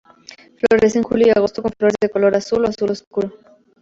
Florece en julio y agosto con flores de color azul o azul oscuro.